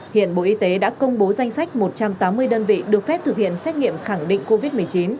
hiện bộ y tế đã công bố danh sách một trăm tám mươi đơn vị được phép thực hiện xét nghiệm khẳng định covid một mươi chín